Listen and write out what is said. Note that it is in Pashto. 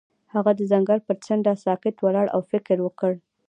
هغه د ځنګل پر څنډه ساکت ولاړ او فکر وکړ.